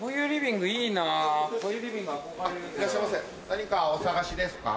何かお探しですか？